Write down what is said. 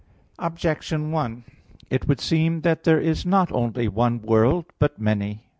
Objection 1: It would seem that there is not only one world, but many.